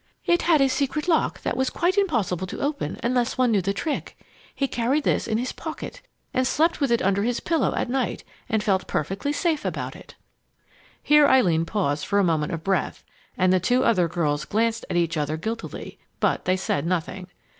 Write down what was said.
It had a secret lock that was quite impossible to open unless one knew the trick. He carried this in his pocket, and slept with it under his pillow at night, and felt perfectly safe about it." Here Eileen paused a moment for breath, and the two other girls glanced at each other guiltily, but they said nothing.